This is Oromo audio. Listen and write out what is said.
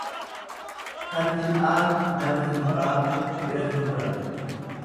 Kan fixaan nama hin baafne bira hin turan.